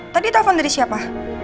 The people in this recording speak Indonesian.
tadi telepon dari siapa